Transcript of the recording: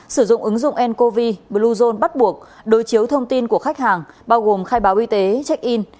sử dụng ứng dụng ncov bluezone bắt buộc đối chiếu thông tin của khách hàng bao gồm khai báo y tế check in